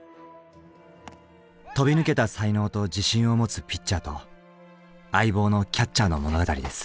飛び抜けた才能と自信を持つピッチャーと相棒のキャッチャーの物語です。